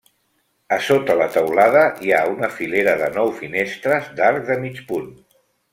A sota la teulada hi ha una filera de nou finestres d'arc de mig punt.